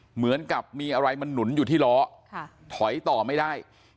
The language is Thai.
เหมือนกับมีอะไรมันหนุนอยู่ที่ล้อถอยต่อไม่ได้